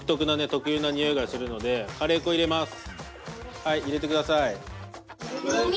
はい、入れてください。